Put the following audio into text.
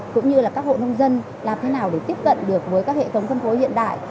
cũng như là các hộ nông dân làm thế nào để tiếp cận được với các hệ thống phân phối hiện đại